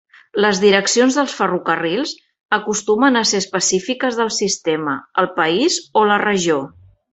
Les direccions dels ferrocarrils acostumen a ser específiques del sistema, el país o la regió.